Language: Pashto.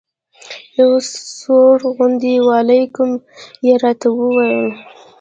یو سوړ غوندې وعلیکم یې راته وویل.